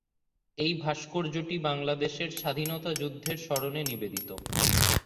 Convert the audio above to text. এই ভাস্কর্যটি বাংলাদেশের স্বাধীনতা যুদ্ধের স্মরণে নিবেদিত।